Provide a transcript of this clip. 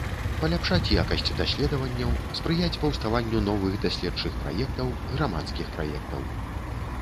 Паляпшаць якасць даследаванняў, спрыяць паўставанню новых даследчых праектаў, грамадскіх праектаў.